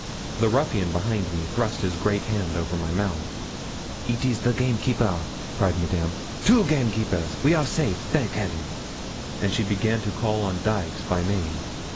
The ruffian behind me thrust his great hand over my mouth. 'It is the gamekeeper,' cried Madame. 'Two gamekeepers we are safe thank Heaven!' and she began to call on Dykes by name.